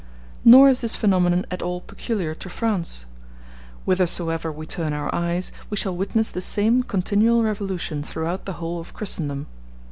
Nor is this phenomenon at all peculiar to France. Whithersoever we turn our eyes we shall witness the same continual revolution throughout the whole of Christendom.